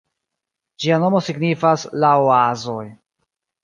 Ĝia nomo signifas "la oazoj".